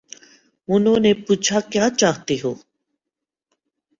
انہوں نے پوچھا: کیا چاہتے ہو؟